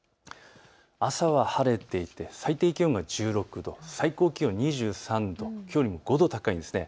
朝は晴れていて最低気温が１６度、最高気温が２３度、きょうよりも５度高いんです。